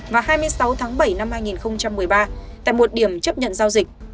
và hai mươi sáu tháng bảy năm hai nghìn một mươi ba tại một điểm chấp nhận giao dịch